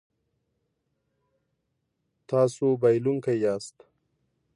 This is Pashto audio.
تاسو بایلونکی یاست